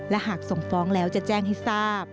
และหากส่งฟ้องแล้วจะแจ้งให้ทราบ